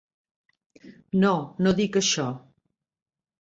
No, no dic això.